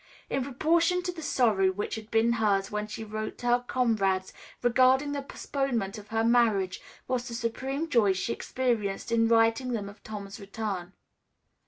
In proportion to the sorrow which had been hers when she wrote to her comrades regarding the postponement of her marriage was the supreme joy she experienced in writing them of Tom's return.